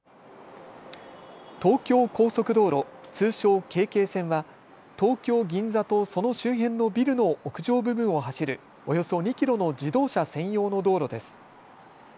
東京高速道路、通称ＫＫ線は東京銀座とその周辺のビルの屋上部分を走るおよそ２キロの自動車専用の道路です。